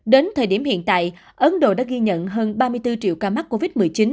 đến thời điểm hiện tại ấn độ đã ghi nhận hơn ba mươi bốn triệu ca mắc covid một mươi chín